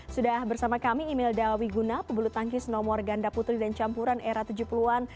sudah bersama kami imelda wiguna pebulu tangkis nomor ganda putri dan campuran era tujuh puluh an